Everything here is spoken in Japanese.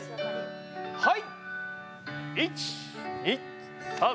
はい！